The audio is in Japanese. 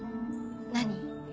何？